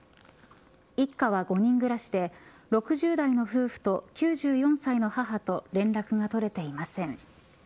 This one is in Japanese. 一家は５人暮らしで６０代の夫婦と、９４歳の母と連絡が取れていません。